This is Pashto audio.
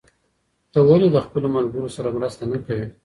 ته ولې له خپلو ملګرو سره مرسته نه کوې؟